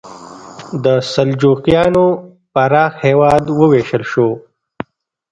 د سلجوقیانو پراخ هېواد وویشل شو.